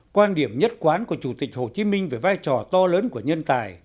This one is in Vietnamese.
quan điểm nhất quán của chủ tịch hồ chí minh về vai trò to lớn của nhân tài